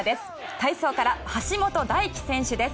体操から橋本大輝選手です。